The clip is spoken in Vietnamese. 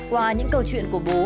qua những câu chuyện của bố